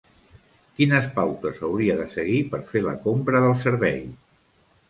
Quines pautes hauria de seguir per fer la compra del servei?